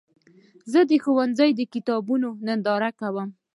زه د ښوونځي د کتابونو ننداره کوم.